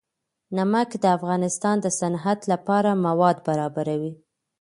نمک د افغانستان د صنعت لپاره مواد برابروي.